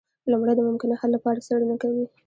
لومړی د ممکنه حل لپاره څیړنه کوي.